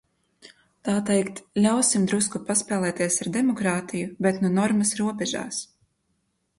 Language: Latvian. Tā teikt, ļausim drusku paspēlēties ar demokrātiju, bet nu normas robežās!